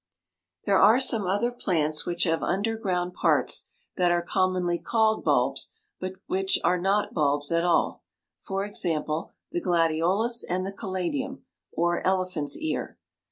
[Illustration: FIG. 99. A CLEMATIS] There are some other plants which have underground parts that are commonly called bulbs but which are not bulbs at all; for example, the gladiolus and the caladium, or elephant's ear.